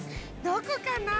どこかな？